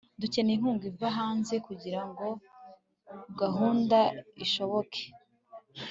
dukeneye inkunga ziva hanze kugira ngo gahunda ishoboke